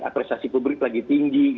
apresiasi publik lagi tinggi